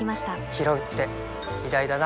ひろうって偉大だな